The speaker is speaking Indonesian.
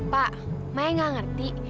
pak saya gak salah